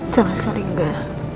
sama sekali enggak